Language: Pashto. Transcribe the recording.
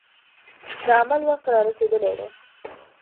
د عمل وخت را رسېدلی دی.